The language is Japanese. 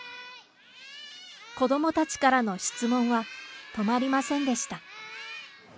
子どもたちからの質問は、止まりませんでした。